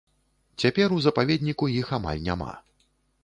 Цяпер у запаведніку іх амаль няма.